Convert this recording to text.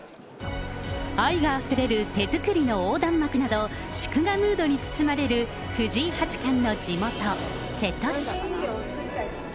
愛があふれる手作りの横断幕など、祝賀ムードに包まれる藤井八冠の地元、瀬戸市。